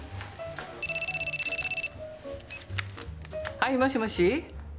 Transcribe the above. はいもしもし？